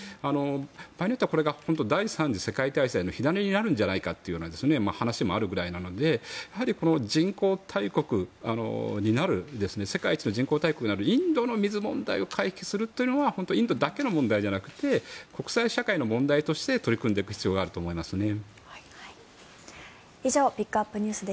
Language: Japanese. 場合によっては、これが第３次世界大戦の火種になるんじゃないかという話もあるぐらいなので世界一の人口大国になるインドの水問題を解決するというのはインドだけの問題じゃなくて国際社会の問題として取り組んでいく必要があると思いますね。